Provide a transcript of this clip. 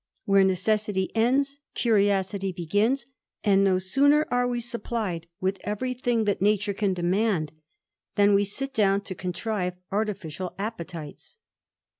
Where necessity ends, curiosity ^^^*ns ; and no sooner are we supplied with every thing that ^ture can demand, than we sit down to contrive artificial ^Jpetites.